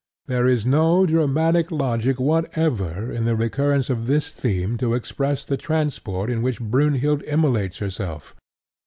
There is no dramatic logic whatever in the recurrence of this theme to express the transport in which Brynhild immolates herself.